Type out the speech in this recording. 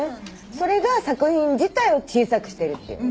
それが作品自体を小さくしてるっていう。